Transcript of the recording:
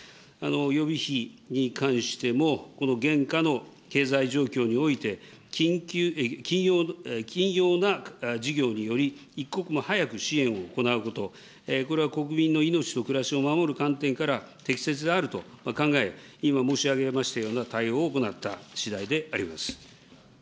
予備費に関しても、この現下の経済状況において、緊要な事業により、一刻も早く支援を行うこと、これは国民の命と暮らしを守る観点から適切であると考え、今申し上げましたような対応を行ったしだいであります。